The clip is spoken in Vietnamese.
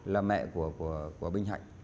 là mẹ của bình hạnh